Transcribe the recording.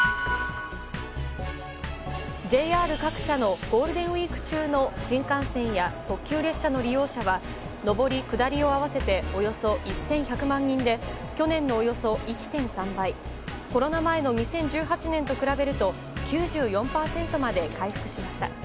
ＪＲ各社のゴールデンウィーク中の新幹線や特急列車の利用者は上り・下りを合わせておよそ１１００万人で去年のおよそ１．３倍コロナ前の２０１８年と比べると９４％まで回復しました。